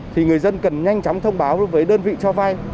thì người dân cần nhanh chóng thông báo với đơn vị cho vay